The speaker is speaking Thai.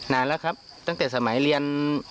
นานแล้วครับตั้งแต่สมัยเรียน